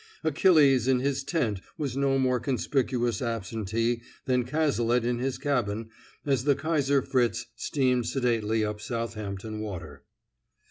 Achilles in his tent was no more conspicuous absentee than Cazalet in his cabin as the Kaiser Fritz steamed sedately up Southampton Water.